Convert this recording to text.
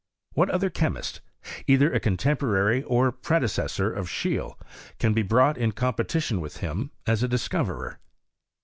What other chemist, • either a contemporary or predecessor of Scheele, can be brought in competition with him as a discoverer?